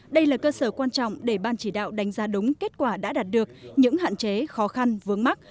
đây là cơ sở quan trọng để ban chỉ đạo đánh giá đúng kết quả đã đạt được những hạn chế khó khăn vướng mắt